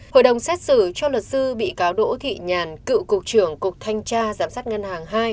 hội đồng xét xử cho luật sư bị cáo đỗ thị nhàn cựu cục trưởng cục thanh tra giám sát ngân hàng hai